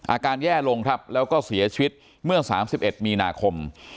อาการแย่ลงครับแล้วก็เสียชีวิตเมื่อ๓๑มีนาคม